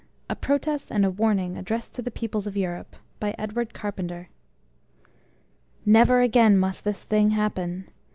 (A protest and a warning addressed to the peoples of Europe) by Edward Carpenter Never again must this Thing happen.